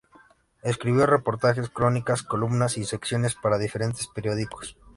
Escribió reportajes, crónicas, columnas y secciones para diferentes periódicos.